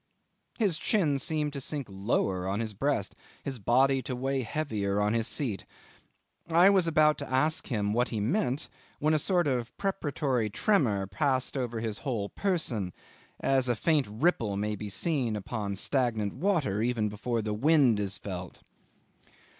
His chin seemed to sink lower on his breast, his body to weigh heavier on his seat. I was about to ask him what he meant, when a sort of preparatory tremor passed over his whole person, as a faint ripple may be seen upon stagnant water even before the wind is felt.